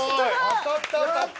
当たった当たった。